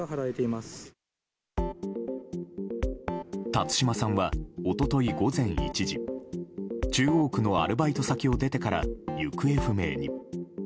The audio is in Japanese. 辰島さんは一昨日午前１時中央区のアルバイト先を出てから行方不明に。